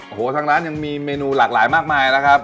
โอ้โหทางร้านยังมีเมนูหลากหลายมากมายนะครับ